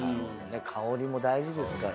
香りも大事ですから。